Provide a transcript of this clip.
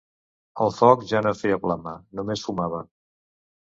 El foc ja no feia flama: només fumava.